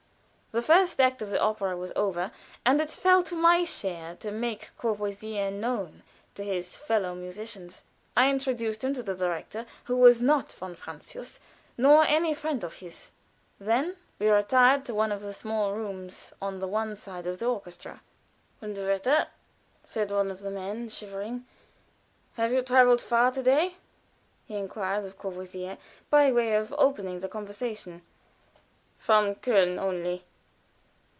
The first act of the opera was over, and it fell to my share to make Courvoisier known to his fellow musicians. I introduced him to the director, who was not von Francius, nor any friend of his. Then we retired to one of the small rooms on one side of the orchestra. "Hundewetter!" said one of the men, shivering. "Have you traveled far to day?" he inquired of Courvoisier, by way of opening the conversation. "From Köln only."